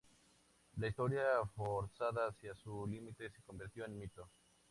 La historia forzada hacia su límite se convierte en mito.